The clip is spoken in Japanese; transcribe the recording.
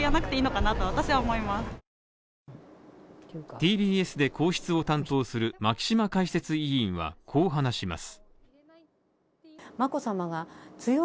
ＴＢＳで皇室を担当する牧嶋解説委員はこう話します。